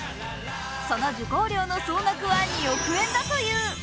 その受講料の総額は２億円だという。